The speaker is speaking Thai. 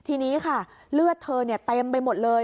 ทีนี้ค่ะเลือดเธอเต็มไปหมดเลย